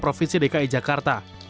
pemerintah provinsi dki jakarta